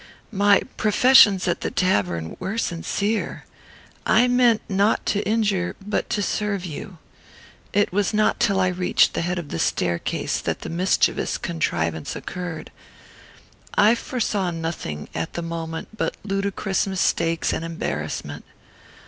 My professions at the tavern were sincere. I meant not to injure but to serve you. It was not till I reached the head of the staircase that the mischievous contrivance occurred. I foresaw nothings at the moment, but ludicrous mistakes and embarrassment.